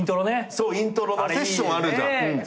そうイントロのセッションあるじゃん。